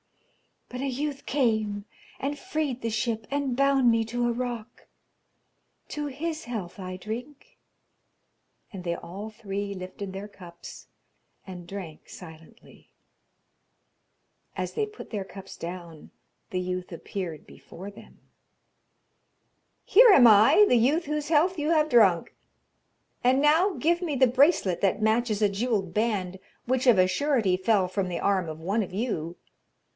'But a youth came, and freed the ship and bound me to a rock. To his health I drink,' and they all three lifted their cups and drank silently. As they put their cups down, the youth appeared before them. 'Here am I, the youth whose health you have drunk; and now give me the bracelet that matches a jewelled band which of a surety fell from the arm of one of you.